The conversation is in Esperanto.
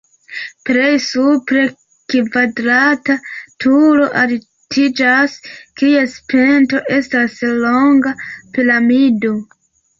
Plej supre kvadrata turo altiĝas, kies pinto estas longa piramido.